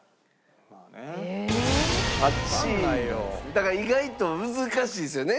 だから意外と難しいですよね。